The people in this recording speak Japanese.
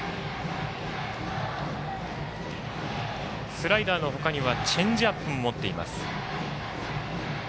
スライダーの他にはチェンジアップも持っています。